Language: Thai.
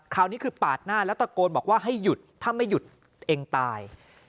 คราวนี้คือปาดหน้าแล้วตะโกนบอกว่าให้หยุดถ้าไม่หยุดเองตาย